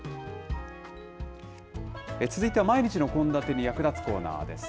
続いては毎日の献立に役立つコーナーです。